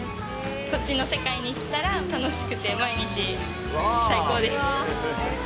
こっちの世界に来たら楽しくて、毎日最高です。